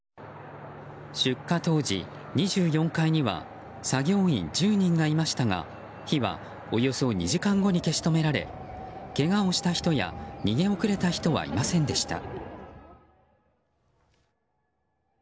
出火当時、２４階には作業員１０人がいましたが火はおよそ２時間後に消し止められけがをした人や逃げ遅れた人はいませんでした。